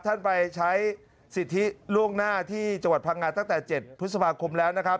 ท่านไปใช้สิทธิล่วงหน้าที่จังหวัดพังงาตั้งแต่๗พฤษภาคมแล้วนะครับ